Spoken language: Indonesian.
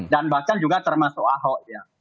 dan bahkan juga termasuk ahok ya